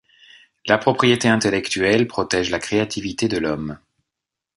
La propriété intellectuelle protège la créativité de l'Homme.